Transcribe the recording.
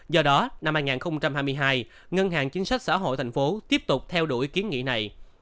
do đó năm hai nghìn hai mươi hai ngân hàng chính sách xã hội thành phố tiếp tục theo đuổi kiến nghị này